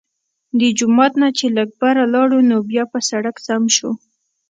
د جومات نه چې لږ بره لاړو نو بيا پۀ سړک سم شو